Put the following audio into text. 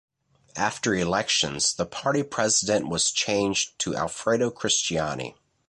After elections, the party president was changed to Alfredo Cristiani.